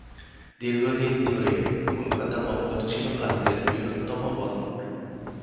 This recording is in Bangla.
দীর্ঘদিন ধরে, কলকাতা বন্দর ছিল ভারতের বৃহত্তম বন্দর।